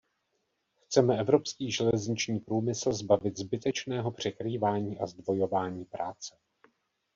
Chceme evropský železniční průmysl zbavit zbytečného překrývání a zdvojování práce.